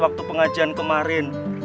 waktu pengajian kemarin